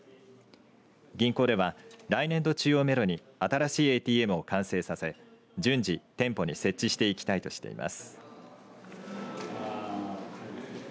銀行では、来年度中をめどに新しいＡＴＭを完成させ順次、店舗に設置していきたいとしています。